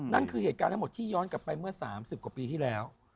นั่นคือเหตุการณ์ทั้งหมดที่ย้อนกลับไปเมื่อ๓๐กว่าปีที่แล้ว